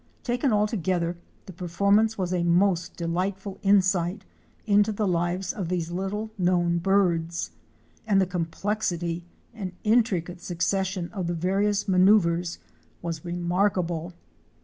Taken altogether, the performance was a most delightful insight into the lives of these little known birds, and the complexity and intricate succession of the various maneuvres was remarkable.